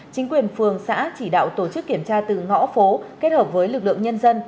chính quyền phường xã chỉ đạo tổ chức kiểm tra từ ngõ phố kết hợp với lực lượng nhân dân